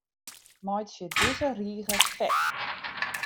Meitsje dizze rige fet.